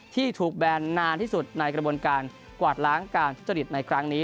ที่ถูกแบนนานที่สุดในกระบวนการกวาดล้างการทุจริตในครั้งนี้